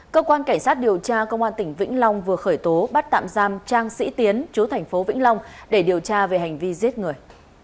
cơ quan cảnh sát điều tra công an tỉnh vĩnh long vừa khởi tố bắt tạm giam trang sĩ tiến chú thành phố vĩnh long để điều tra về hành vi giết người